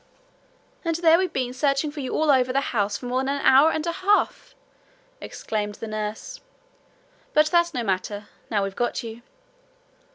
'And there we've been searching for you all over the house for more than an hour and a half!' exclaimed the nurse. 'But that's no matter, now we've got you!